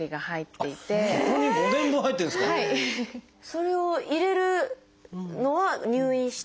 それを入れるのは入院して？